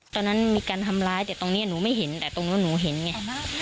ตอนนั้นมีการทำร้ายแต่ตรงนี้หนูไม่เห็นแต่ตรงนู้นหนูเห็นไง